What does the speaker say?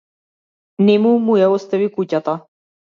Нему му ја остави куќата.